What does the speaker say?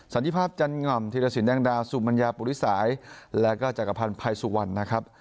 สัญญาภาพจันหง่ำธิรสินแดงดาวสุมัญญาปุริษัยและก็จักรพรรณภัยสุวรรณนะครับ